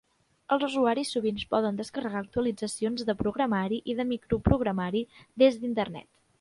Els usuaris sovint poden descarregar actualitzacions de programari i de microprogramari des d'Internet.